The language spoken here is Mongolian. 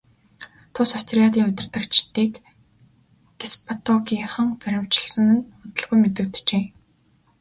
Тус отрядын удирдагчдыг гестапогийнхан баривчилсан нь удалгүй мэдэгджээ.